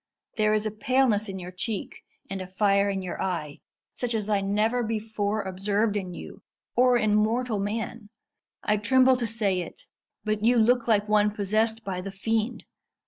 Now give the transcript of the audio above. There is a paleness in your cheek, and a fire in your eye, such as I never before observed in you, or in mortal man. I tremble to say it, but you look like one possessed by the fiend.